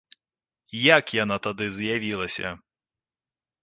Як яна тады з'явілася?